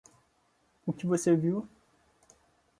O que você viu